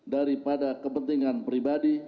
daripada kepentingan pribadi